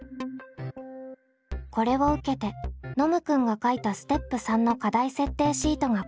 これを受けてノムくんが書いたステップ３の課題設定シートがこちら。